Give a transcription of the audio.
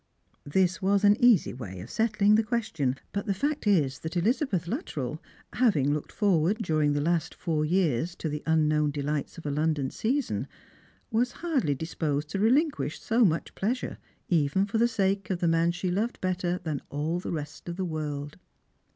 This was an easy way of settling the question ; but the fact is that Elizabeth Luttrell, having looked forward during the last four years to the unknown delights of a London season, was 150 Strangers and Pilgrms. liardly disposed to reliTtqiiish so much pleasure, even for Oi<t sake of the man she loved bettei than all the rest of the world.